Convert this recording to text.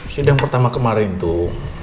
sidang pertama kemarin tuh